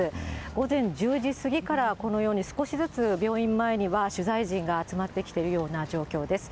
午前１０時過ぎからこのように少しずつ病院前には取材陣が集まってきているような状況です。